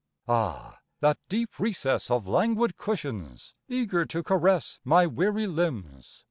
Ah! that deep recess Of languid cushions, eager to caress My weary limbs!